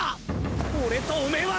俺とおめは！